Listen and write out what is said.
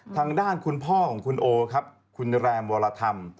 ทางด้านคุณพ่อของคุณโอครับคุณแรมวรธรรม